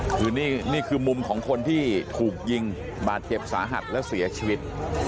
คือนี่คือมุมของคนที่ถูกยิงบาดเจ็บสาหัสและเสียชีวิต